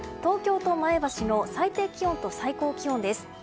東京と前橋の最低気温と最高気温です。